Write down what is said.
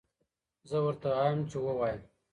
زه ورته وایم چې ووایه.